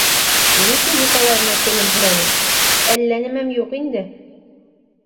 - Лидия Николаевна көлөмһөрәне, - әллә нәмәм юҡ инде.